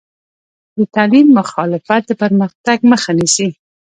د تعلیم مخالفت د پرمختګ مخه نیسي.